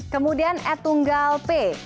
kemudian atunggal p